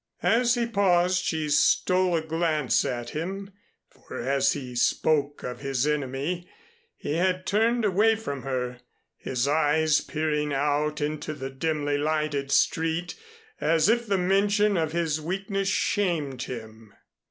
As he paused she stole a glance at him, for as he spoke of his Enemy he had turned away from her, his eyes peering out into the dimly lighted street, as if the mention of his weakness shamed him.